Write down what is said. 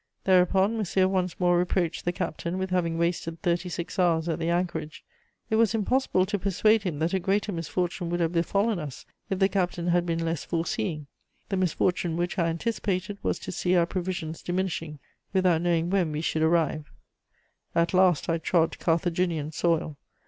Thereupon Monsieur once more reproached the captain with having wasted thirty six hours at the anchorage. It was impossible to persuade him that a greater misfortune would have befallen us if the captain had been less foreseeing. The misfortune which I anticipated was to see our provisions diminishing, without knowing when we should arrive." At last I trod Carthaginian soil.